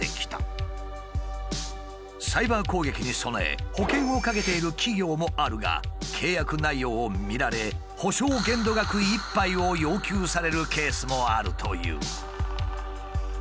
サイバー攻撃に備え保険をかけている企業もあるが契約内容を見られ補償限度額いっぱいを要求されるケースもあるという。